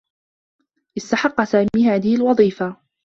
استحقّ سامي هذه الوظيفة.